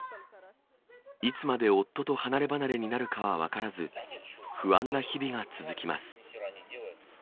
いつまで夫と離れ離れになるか分からず、不安な日々が続きます。